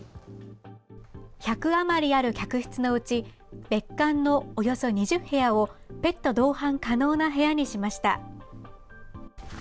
１００余りある客室のうち、別館のおよそ２０部屋をペット同伴可能な部屋にしました。